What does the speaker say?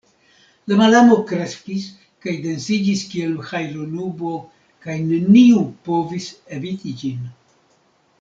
La malamo kreskis kaj densiĝis kiel hajlonubo kaj neniu povis eviti ĝin.